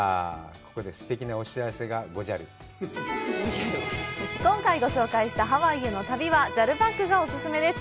ここですてきなお知らせがごじゃる今回ご紹介したハワイへの旅はＪＡＬパックがオススメです